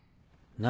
何？